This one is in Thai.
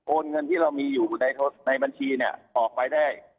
โอนเงินที่เรามีอยู่ในบัญชีออกไปได้